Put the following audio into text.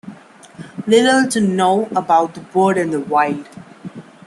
Little is known about the bird in the wild.